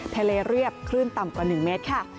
เรียบคลื่นต่ำกว่า๑เมตรค่ะ